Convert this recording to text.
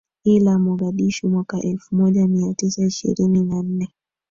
ila Mogadishu mwaka elfu moja mia tisa ishirini na nne